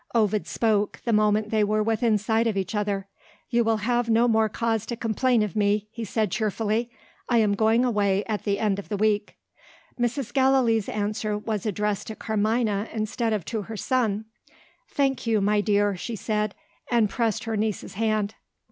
Ovid spoke, the moment they were within sight of each other. "You will have no more cause to complain of me," he said cheerfully; "I am going away at the end of the week." Mrs. Gallilee's answer was addressed to Carmina instead of to her son. "Thank you, my dear," she said, and pressed her niece's hand.